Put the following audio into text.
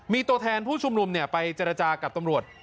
มีตัวแทนผู้ชุมนุมไปเจรจากับตำรวจ